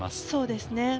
そうですね。